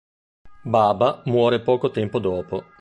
Baba muore poco tempo dopo.